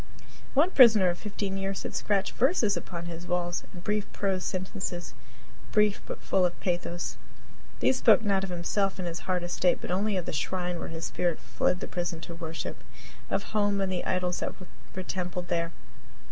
One prisoner of fifteen years had scratched verses upon his walls, and brief prose sentences brief, but full of pathos. These spoke not of himself and his hard estate, but only of the shrine where his spirit fled the prison to worship of home and the idols that were templed there.